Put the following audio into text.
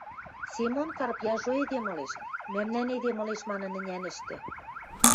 Семон Карп яжо эдем ылеш, мӓмнӓн эдем ылеш манын ӹнянӹштӹ.